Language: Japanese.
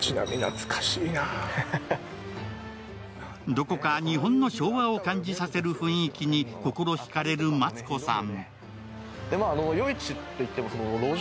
どこか日本の昭和を感じさせる雰囲気に心引かれるマツコさん。